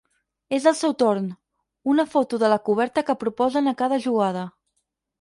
És el seu torn, una foto de la coberta que proposen a cada jugada.